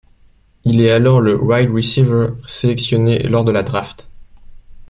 Il est alors le wide receiver sélectionné lors de la draft.